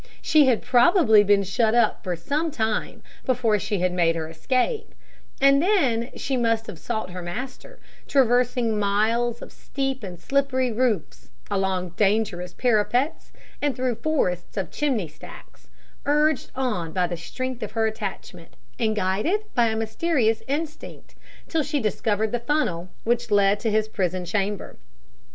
She had probably been shut up for some time before she had made her escape, and then she must have sought her master, traversing miles of steep and slippery roofs, along dangerous parapets, and through forests of chimney stacks, urged on by the strength of her attachment, and guided by a mysterious instinct, till she discovered the funnel which led into his prison chamber.